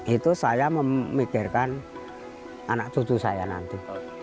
itu saya memikirkan anak cucu saya nanti